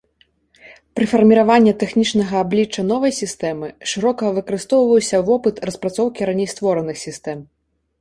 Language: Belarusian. Пры фарміраванні тэхнічнага аблічча новай сістэмы шырока выкарыстоўваўся вопыт распрацоўкі раней створаных сістэм.